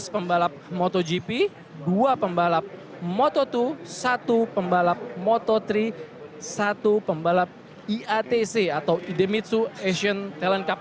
dua belas pembalap motogp dua pembalap moto dua satu pembalap moto tiga satu pembalap iatc atau idemitsu asian talent cup